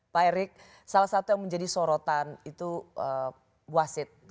pak erik salah satu yang menjadi sorotan itu wasit